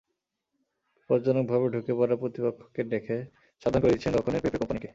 বিপজ্জনকভাবে ঢুকে পড়া প্রতিপক্ষকে দেখে সাবধান করে দিচ্ছেন রক্ষণের পেপে কোম্পানিকে।